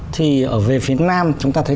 thì ở về phía nam chúng ta thấy